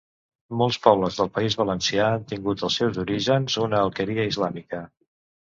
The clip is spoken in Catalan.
Molts pobles del País Valencià han tingut als seus orígens una alqueria islàmica.